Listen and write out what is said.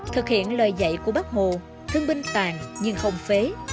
thực hiện lời dạy của bác hồ thương binh tàn nhưng không phế